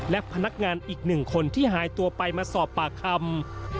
และพนักงานอีกหนึ่งคนที่หายตัวไปมาสอบปากคำ